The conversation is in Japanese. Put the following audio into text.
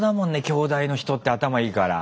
京大の人って頭いいから。